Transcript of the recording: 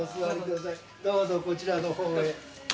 どうぞこちらのほうへ。